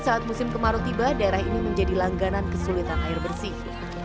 saat musim kemarau tiba daerah ini menjadi langganan kesulitan air bersih